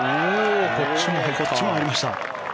こっちも入りました。